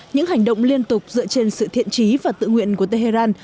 những hành động liên tục dựa trên sự thiện trí và tự nguyện của tehran